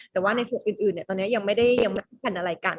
แต่ว่าในส่วนอื่นตอนนี้ยังไม่ได้เป็นอะไรกัน